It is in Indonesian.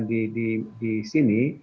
atau pembicaraan di sini